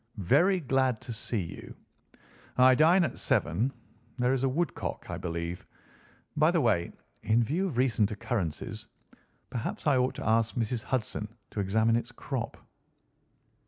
"Very glad to see you. I dine at seven. There is a woodcock, I believe. By the way, in view of recent occurrences, perhaps I ought to ask Mrs. Hudson to examine its crop."